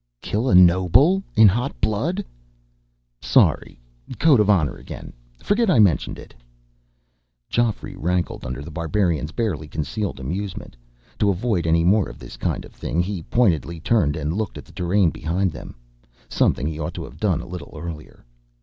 "Kill a noble in hot blood?" "Sorry. Code of honor again. Forget I mentioned it." Geoffrey rankled under The Barbarian's barely concealed amusement. To avoid any more of this kind of thing, he pointedly turned and looked at the terrain behind them something he ought to have done a little earlier.